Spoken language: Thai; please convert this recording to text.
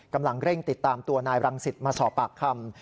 กำลังเร่งติดตามตัวนายรังสิตมาสอบปากคำ